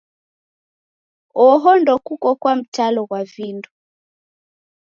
Oho ndokuko kwa mtalo ghwa vindo